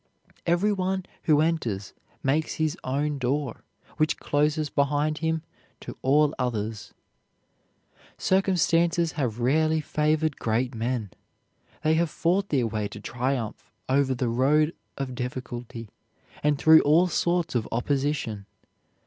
Every one who enters makes his own door, which closes behind him to all others. Circumstances have rarely favored great men. They have fought their way to triumph over the road of difficulty and through all sorts of opposition.